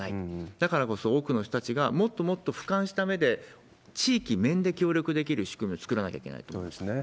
だからこそ、多くの人たちがもっともっとふかんした目で地域、面で協力できる仕組みを作らなきゃいけないということだと思います。